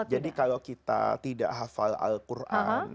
jadi kalau kita tidak hafal al quran